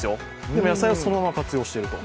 でも野菜をそのまま活用していると。